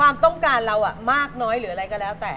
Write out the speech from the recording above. ความต้องการเรามากน้อยหรืออะไรก็แล้วแต่